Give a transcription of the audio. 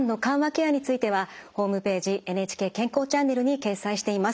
ケアについてはホームページ「ＮＨＫ健康チャンネル」に掲載しています。